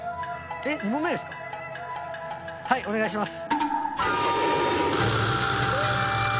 はいお願いします。